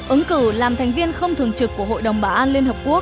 ứng cử làm thành viên không thường trực của hội đồng bảo an liên hợp quốc